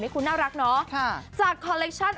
คุณน่ารักเนาะจากคอลเลคชั่น